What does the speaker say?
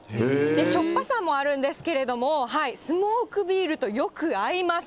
しょっぱさもあるんですけれども、スモークビールとよく合います。